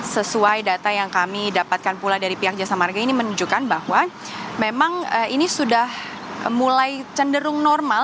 sesuai data yang kami dapatkan pula dari pihak jasa marga ini menunjukkan bahwa memang ini sudah mulai cenderung normal